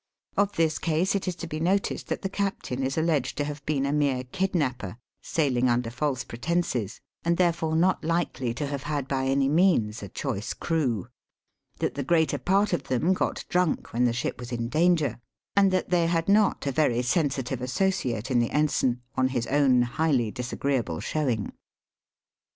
Of this case it is to be noticed that the captain is alleged to have been a mere kidnapper, sailing under false pretences, and therefore not likely to have had by any means a choice crew ; that the greater part of them got drunk when the ship was in danger ; and that they had not a very sensitive associate in the ensign, on his own highly disagreeable showing.